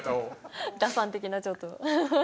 打算的なちょっと。